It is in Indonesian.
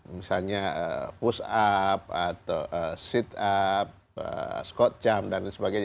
misalnya push up atau sit up scott jump dan sebagainya